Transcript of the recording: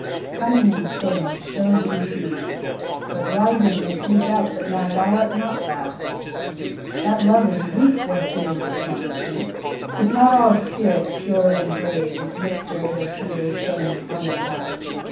Coming and staying show'd thee thee; But rising makes me doubt that nowThou art not thou. That Love is weak where Fear's as strong as he;'Tis not all spirit pure and brave, If mixture it of Fear, Shame, Honour have.